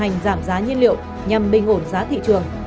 các bộ ngành giảm giá nhiên liệu nhằm bình ổn giá thị trường